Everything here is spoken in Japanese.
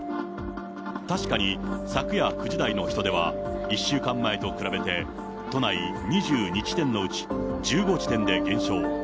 確かに昨夜９時台の人出は、１週間前と比べて都内２２地点のうち１５地点で減少。